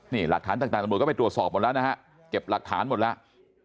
นี่หลักฐานต่างตำรวจก็ไปตรวจสอบหมดแล้วนะฮะเก็บหลักฐานหมดแล้ว